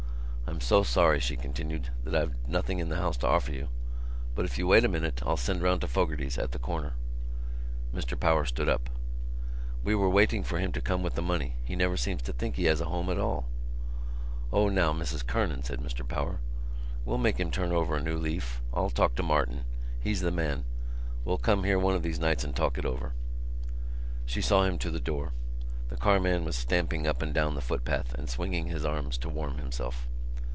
"I'm so sorry," she continued, "that I've nothing in the house to offer you. But if you wait a minute I'll send round to Fogarty's at the corner." Mr Power stood up. "We were waiting for him to come home with the money. He never seems to think he has a home at all." "O, now, Mrs Kernan," said Mr Power, "we'll make him turn over a new leaf. I'll talk to Martin. He's the man. We'll come here one of these nights and talk it over." She saw him to the door. The carman was stamping up and down the footpath, and swinging his arms to warm himself.